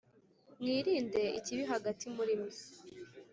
Mwirinde ikibi hagati muri mwe